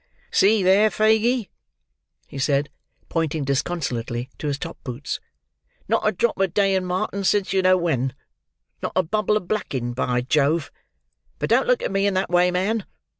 "See there, Faguey," he said, pointing disconsolately to his top boots; "not a drop of Day and Martin since you know when; not a bubble of blacking, by Jove! But don't look at me in that way, man.